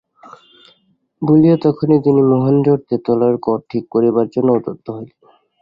বলিয়া তখনই তিনি মহেন্দ্রের তেতলার ঘর ঠিক করিবার জন্য উদ্যত হইলেন।